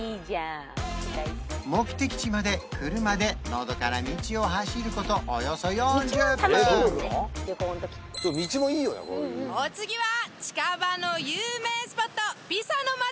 目的地まで車でのどかな道を走ることおよそ４０分お次は近場の有名スポットピサの街？